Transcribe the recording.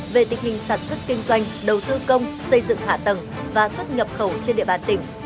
về tình hình sản xuất kinh doanh đầu tư công xây dựng hạ tầng và xuất nhập khẩu trên địa bàn tỉnh